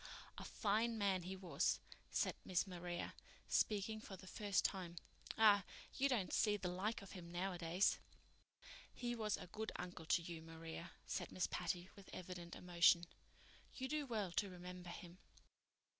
"A fine man he was," said Miss Maria, speaking for the first time. "Ah, you don't see the like of him nowadays." "He was a good uncle to you, Maria," said Miss Patty, with evident emotion. "You do well to remember him."